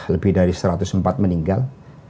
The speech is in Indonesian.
lebih dari satu ratus empat meninggal